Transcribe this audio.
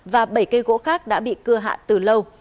và bảy cây gỗ khác đã bị cưa hạ từ lâu